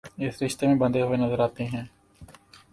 اس رشتے میں بندھے ہوئے نظرآتے ہیں